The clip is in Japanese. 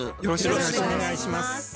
よろしくお願いします。